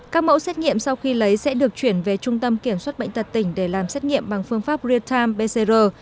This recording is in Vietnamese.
các mẫu xét nghiệm sau khi lấy sẽ được chuyển về trung tâm kiểm soát bệnh tật tỉnh để làm xét nghiệm bằng phương pháp real time pcr